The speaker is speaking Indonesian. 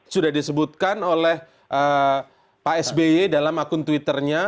sudah disebutkan oleh pak sby dalam akun twitter nya